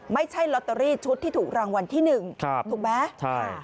ไม่ใช่ลอตเตอรี่ชุดที่ถูกรางวัลที่๑ถูกไหม